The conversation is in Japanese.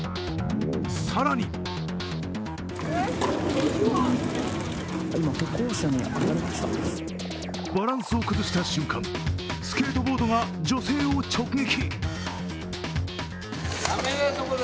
更にバランスを崩した瞬間、スケートボードが女性を直撃。